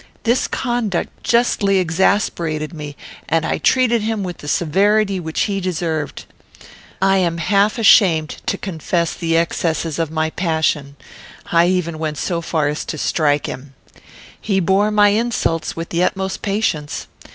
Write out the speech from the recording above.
This conduct justly exasperated me, and I treated him with the severity which he deserved. I am half ashamed to confess the excesses of my passion; I even went so far as to strike him. He bore my insults with the utmost patience.